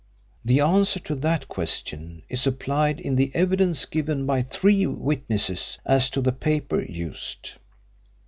The answer to that question is supplied in the evidence given by three witnesses as to the paper used.